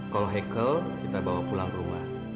kalau hekel kita bawa pulang ke rumah